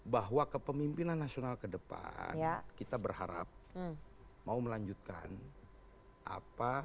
bahwa kepemimpinan nasional kedepan kita berharap mau melanjutkan apa